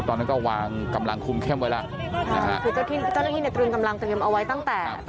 ตอนนั้นก็วางกำลังคุมเข้มไว้แล้วค่ะคือเจ้าหน้าที่ในกรุงกำลังกำลังเอาไว้ตั้งแต่